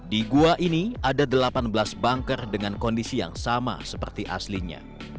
di gua ini ada delapan belas bunker dengan kondisi yang sama seperti aslinya